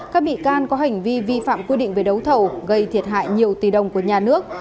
các bị can có hành vi vi phạm quy định về đấu thầu gây thiệt hại nhiều tỷ đồng của nhà nước